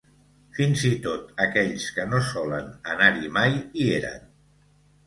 Fins i tot, aquells que no solen anar-hi mai, hi eren.